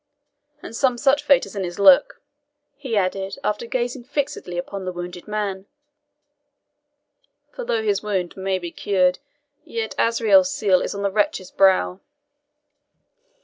And some such fate is in his look," he added, after gazing fixedly upon the wounded man; "for though his wound may be cured, yet Azrael's seal is on the wretch's brow."